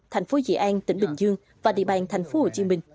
tp dị an tỉnh bình dương và địa bàn tp hcm